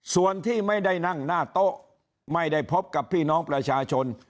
ส่วนที่ไม่ได้นั่งหน้าโต๊ะไม่ได้พบกับพี่น้องประชาชน